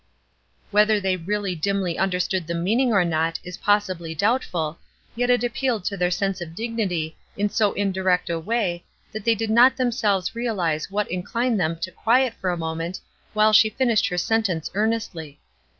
Whether they really dimly understood the meaning or not is possibly doubtful, yet it appealed to their sense of dignity in so indirect a way, that they did not themselves realize what inclined them to quiet for a moment, while she finished her sentence earnestly.